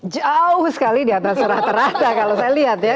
jauh sekali di atas rata rata kalau saya lihat ya